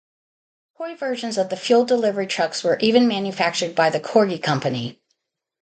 Toy versions of the fuel delivery trucks were even manufactured by the Corgi company.